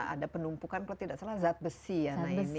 ada penumpukan kalau tidak salah zat besi ya